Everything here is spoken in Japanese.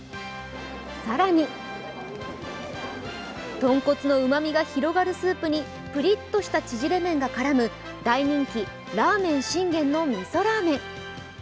更に、豚骨のうまみが広がるスープにぷりっとした縮れ麺が絡む大人気、らめん信玄のみそラーメン。